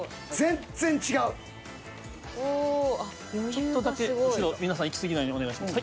ちょっとだけ後ろ皆さん行き過ぎないようにお願いします。